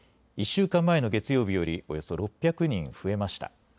１週間前の月曜日より、およそ６００人増えました。